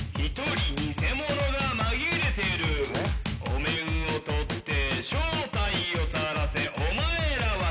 「お面を取って正体をさらせお前らは誰だ！？」